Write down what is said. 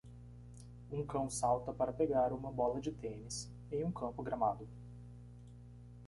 Um cão salta para pegar uma bola de tênis em um campo gramado.